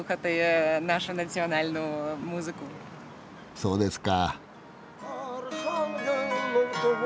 そうですか。